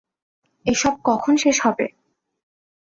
এসব কখন শেষ হবে?